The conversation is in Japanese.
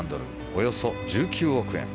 およそ１９億円。